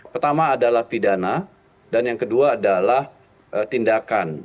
pertama adalah pidana dan yang kedua adalah tindakan